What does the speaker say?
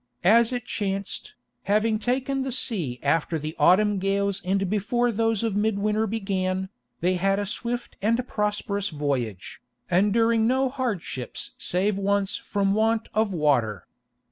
As it chanced, having taken the sea after the autumn gales and before those of mid winter began, they had a swift and prosperous voyage, enduring no hardships save once from want of water.